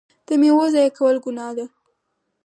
د میوو ضایع کول ګناه ده.